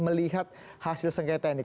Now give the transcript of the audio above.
melihat hasil sengketa ini